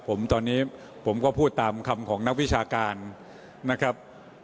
ผมตอนนี้ผมก็พูดตามคำของนักวิชาการนะครับ